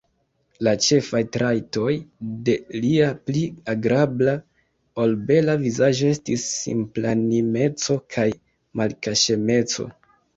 La ĉefaj trajtoj de lia pli agrabla, ol bela vizaĝo estis simplanimeco kaj malkaŝemeco.